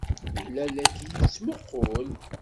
Yella la k-yettmuqqul.